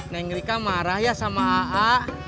neng rika marah ya sama aa